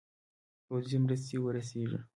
پوځي مرستي ورسیږي.